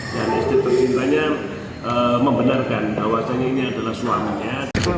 dan istri tersintanya membenarkan bahwa ini adalah suamanya